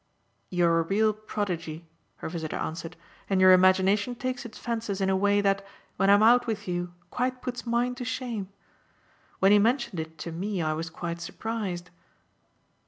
"You're a real prodigy," her visitor answered, "and your imagination takes its fences in a way that, when I'm out with you, quite puts mine to shame. When he mentioned it to me I was quite surprised."